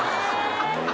え！